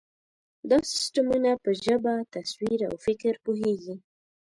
دا سیسټمونه په ژبه، تصویر، او فکر پوهېږي.